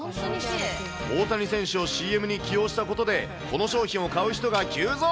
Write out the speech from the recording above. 大谷選手をＣＭに起用したことで、この商品を買う人が急増。